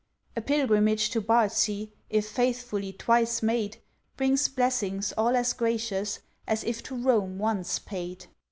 A pilgrimage to Bardsey, If faithfully twice made, Brings blessings all as gracious, As if to Rome once paid.